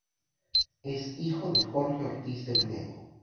Es hijo de Jorge Ortiz de Pinedo.